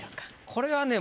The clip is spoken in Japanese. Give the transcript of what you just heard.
これはね